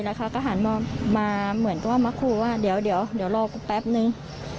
แล้วเขาก็หันมาเหมือนกับว่ามาครูว่าเดี๋ยวรอกูแป๊บนึง